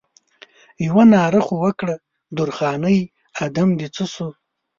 یوه ناره خو وکړه درخانۍ ادم دې څه شو؟